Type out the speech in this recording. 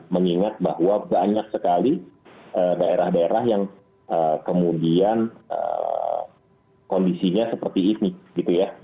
mengingat bahwa banyak sekali daerah daerah yang kemudian kondisinya seperti ini gitu ya